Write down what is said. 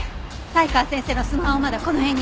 才川先生のスマホはまだこの辺にある。